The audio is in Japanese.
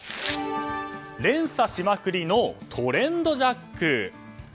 連鎖しまくりのトレンドジャック。